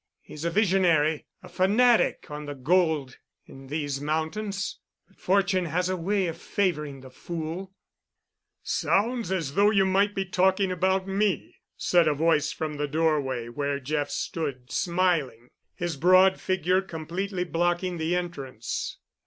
He's a visionary—a fanatic on the gold in these mountains, but fortune has a way of favoring the fool——" "Sounds as though you might be talking about me," said a voice from the doorway, where Jeff stood smiling, his broad figure completely blocking the entrance.